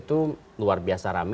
saya sudah mengingatkan kembali